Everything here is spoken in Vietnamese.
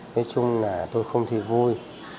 nói chung là tôi không thấy vui